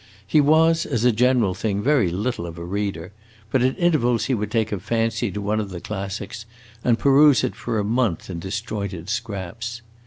He was, as a general thing, very little of a reader; but at intervals he would take a fancy to one of the classics and peruse it for a month in disjointed scraps.